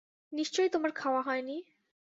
নিশ্চয় তোমার খাওয়া হয় নি।